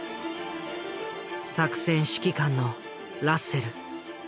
作戦指揮官のラッセル。